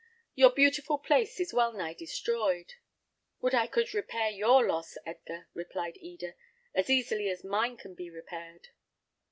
"Your beautiful place is well nigh destroyed." "Would I could repair your loss, Edgar," replied Eda, "as easily as mine can be repaired."